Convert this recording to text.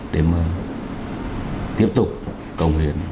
để mà tiếp tục cộng hợp